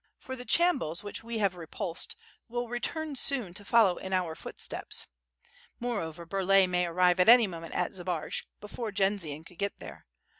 For the chambuls which we have repulsed, wil return soon to follow in our footsteps. Moreover, Burlay may arrive at any moment at Zbaraj, before Jendzian could get there.